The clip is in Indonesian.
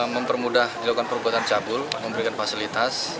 mempermudah dilakukan perbuatan cabul memberikan fasilitas